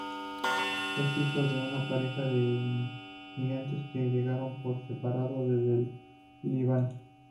Es hijo de una pareja de inmigrantes que llegaron por separado desde el Líbano.